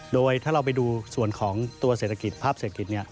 โดยถ้าเราไปดูส่วนของตัวเศรษฐกิจภาพเศรษฐกิจ